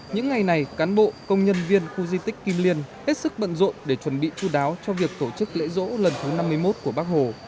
những ngày này cán bộ công nhân viên khu di tích kim liên hết sức bận rộn để chuẩn bị chú đáo cho việc tổ chức lễ dỗ lần thứ năm mươi một của bác hồ